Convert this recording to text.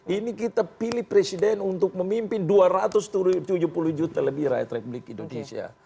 ini kita pilih presiden untuk memimpin dua ratus tujuh puluh juta lebih rakyat republik indonesia